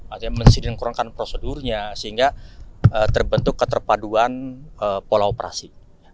artinya mensidengkronkan prosedurnya sehingga terbentuk keterpaduan pola operasi